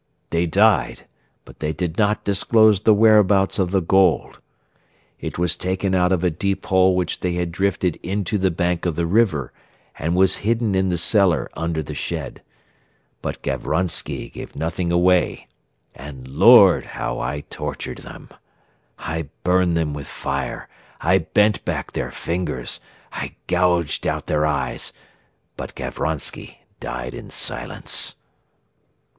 They died but they did not disclose the whereabouts of the gold. It was taken out of a deep hole which they had drifted into the bank of the river and was hidden in the cellar under the shed. But Gavronsky gave nothing away. ... AND LORD HOW I TORTURED THEM! I burned them with fire; I bent back their fingers; I gouged out their eyes; but Gavronsky died in silence."